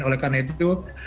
oleh karena itu